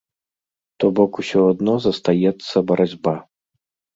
То бок ўсё адно застаецца барацьба.